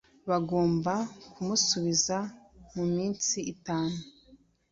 bagomba kumusubiza mu minsi itanu